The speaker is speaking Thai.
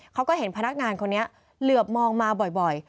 เขาก็เห็นพนักงานคนนี้เหลือบมองมาบ่อย